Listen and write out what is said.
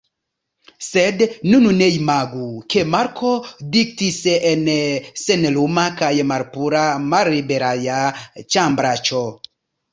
Sed nun ne imagu, ke Marko diktis en senluma kaj malpura mallibereja ĉambraĉo!